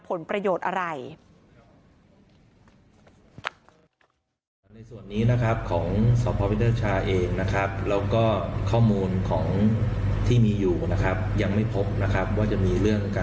ผลประโยชน์อะไร